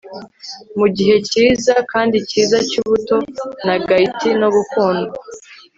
Mugihe cyiza kandi cyiza cyubuto na gaiety no gukundwa